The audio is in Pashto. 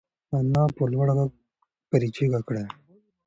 انا په لوړ غږ پرې چیغه کړه.